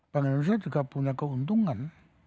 bank indonesia juga punya keuntungan